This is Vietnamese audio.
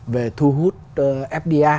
về thu hút fdi